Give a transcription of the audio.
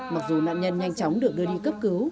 mặc dù nạn nhân nhanh chóng được đưa đi cấp cứu